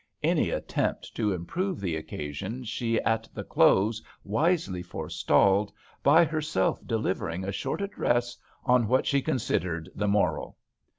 Any attempt to improve the occasion she at the close wisely forestalled, by herself delivering a short address on what she considered the moral.